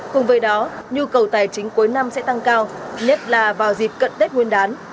cùng với đó nhu cầu tài chính cuối năm sẽ tăng cao nhất là vào dịp cận tết nguyên đán